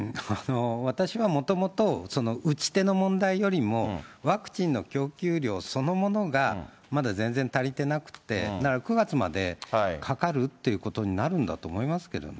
私はもともと打ち手の問題よりも、ワクチンの供給量そのものがまだ全然足りてなくて、９月までかかるっていうことになるんだと思いますけどね。